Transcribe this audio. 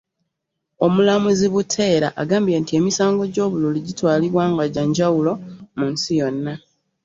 Omulamuzi Buteera agambye nti emisango gy'obululu gitwalibwa nga gya njawulo mu nsi yonna.